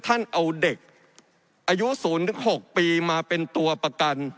ท่านเอาเด็กอายุ๐๖ปีมาเป็นตัวประกัน